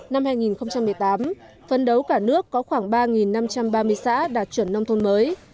năm hai nghìn một mươi tám phân đấu cả nước có khoảng ba năm trăm ba mươi xã đạt chuẩn nông thôn mới